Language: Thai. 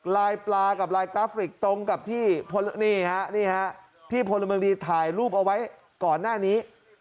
ลายปลากับลายกราฟิกตรงกับที่นี่ฮะที่พลเมืองดีถ่ายรูปเอาไว้ก่อนหน้านี้